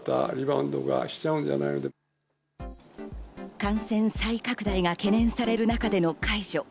感染再拡大が懸念される中での解除。